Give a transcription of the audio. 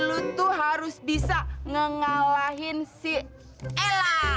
lu tuh harus bisa ngalahin si ella